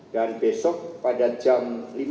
dan besok pada jam lima belas tiga puluh